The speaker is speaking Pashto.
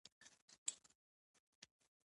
د ښکلا هنر خوښۍ مینې دوستۍ مفهومونه.